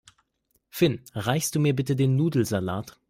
Finn, reichst du mir bitte den Nudelsalat?